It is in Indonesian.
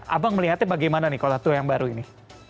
abang melihatnya bagaimana nih kota tua yang baru ini